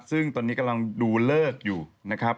ซึ่งตอนนี้กำลังดูเลิกอยู่นะครับ